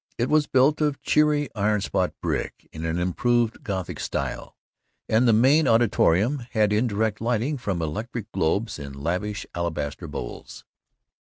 It was built of cheery iron spot brick in an improved Gothic style, and the main auditorium had indirect lighting from electric globes in lavish alabaster bowls.